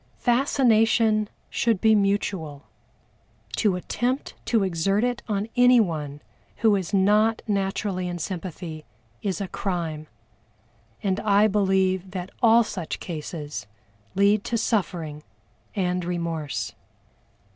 Fascination should be mutual; to attempt to exert it on anyone who is not naturally in sympathy is a crime, and I believe that all such cases lead to suffering and remorse.